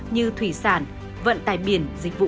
như thủy sản vận tài biển dịch vụ